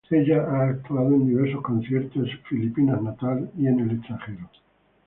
Ella ha actuado en diversos conciertos en su natal Filipinas y en el extranjero.